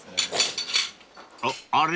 ［あっあれ？］